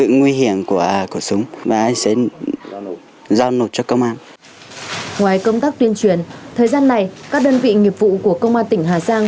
ngoài công tác tuyên truyền thời gian này các đơn vị nghiệp vụ của công an tỉnh hà giang